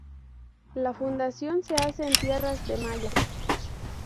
La fundación se hace en tierras de Maya.